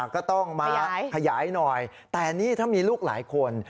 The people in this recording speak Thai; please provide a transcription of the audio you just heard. ก็ต้องมาขยายหน่อยแต่นี่ถ้ามีลูกหลายคน